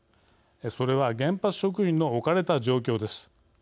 それは原発職員の置かれた状況です。